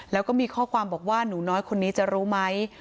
แล้วก็มีข้อความบอกว่าหนูน้อยคนนี้จะรู้ไหม